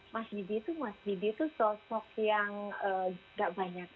mas didi itu mas didi itu sosok yang gak banyak